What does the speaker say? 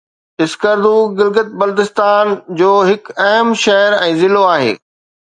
اسڪردو گلگت بلتستان جو هڪ اهم شهر ۽ ضلعو آهي